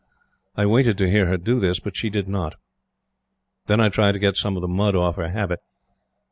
I waited to hear her do this, but she did not. Then I tried to get some of the mud off her habit.